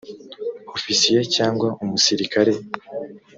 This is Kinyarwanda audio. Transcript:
ofisiye cyangwa umusirikare